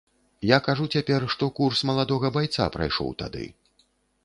Я кажу цяпер, што курс маладога байца прайшоў тады.